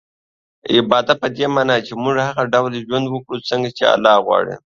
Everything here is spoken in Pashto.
عبادت په دې مانا چي موږ هغه ډول ژوند وکړو څنګه چي الله غواړي